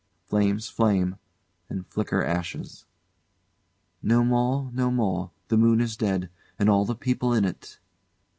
] [Flames flame, and flicker ashes.] "No more, no more, the moon is dead, And all the people in it."